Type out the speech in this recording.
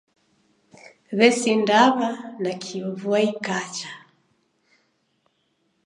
W'esindaw'a nakio vua ikacha.